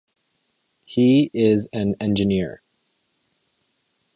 He is an Engineer.